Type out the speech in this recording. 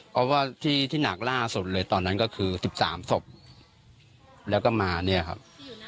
เพราะว่าที่หนักล่าสุดเลยตอนนั้นก็คือ๑๓ศพแล้วก็มาเนี่ยครับ